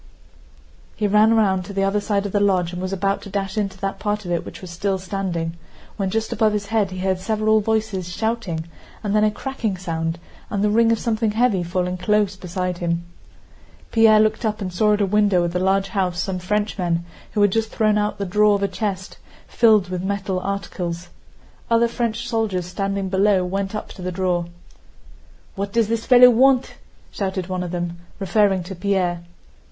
He ran round to the other side of the lodge and was about to dash into that part of it which was still standing, when just above his head he heard several voices shouting and then a cracking sound and the ring of something heavy falling close beside him. Pierre looked up and saw at a window of the large house some Frenchmen who had just thrown out the drawer of a chest, filled with metal articles. Other French soldiers standing below went up to the drawer. "What does this fellow want?" shouted one of them referring to Pierre.